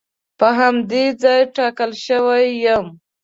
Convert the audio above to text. په همدې ځای ټاکل شوی یم.